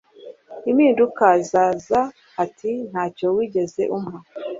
impinduka zaza ati ntacyo wigeze umpa